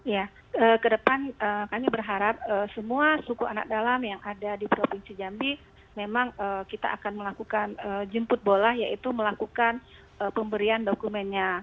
ya ke depan kami berharap semua suku anak dalam yang ada di provinsi jambi memang kita akan melakukan jemput bola yaitu melakukan pemberian dokumennya